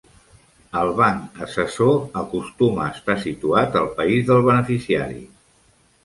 El banc assessor acostuma a estar situat al país del beneficiari.